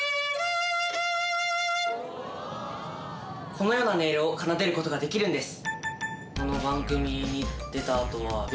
このような音色を奏でることができるんです。